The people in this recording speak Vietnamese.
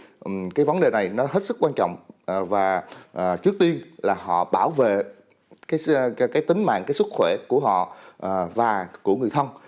thì cái vấn đề này nó hết sức quan trọng và trước tiên là họ bảo vệ cái tính mạng cái sức khỏe của họ và của người thân